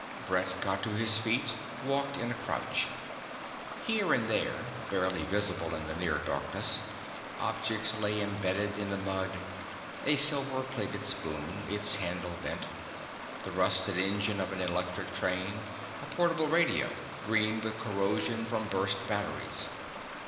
Brett got to his feet, walked in a crouch. Here and there, barely visible in the near darkness, objects lay imbedded in the mud: a silver plated spoon, its handle bent; the rusted engine of an electric train; a portable radio, green with corrosion from burst batteries.